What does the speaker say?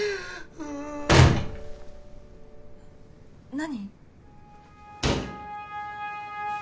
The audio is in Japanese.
・何？